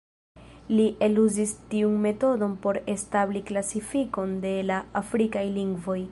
Li eluzis tiun metodon por establi klasifikon de la afrikaj lingvoj.